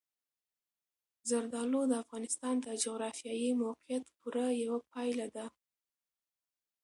زردالو د افغانستان د جغرافیایي موقیعت پوره یوه پایله ده.